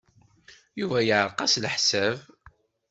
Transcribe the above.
Yuba yeɛreq-as leḥsab.